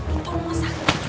itu rumah sakit